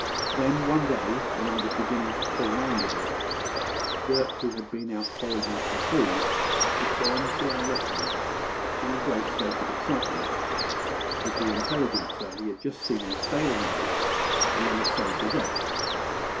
"Then one day, when I was beginning to pull round a bit, Dirk who had been out foraging for food returned to our refuge in a great state of excitement, with the intelligence that he had just seen a sailing boat alongside the wreck.